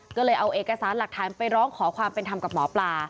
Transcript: ก็เลยเอาเอกสารหลักฐานไปร้องขอความเป็นธรรมกับหมอปลา